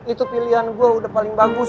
itu pilihan gue udah paling bagus